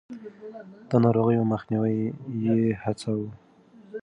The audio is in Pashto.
د ناروغيو مخنيوی يې هڅاوه.